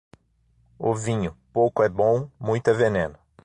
O vinho, pouco é bom, muito é veneno.